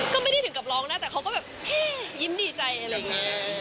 ก็ไม่ได้ถึงกับร้องนะแต่เขาก็แบบยิ้มดีใจอะไรอย่างนี้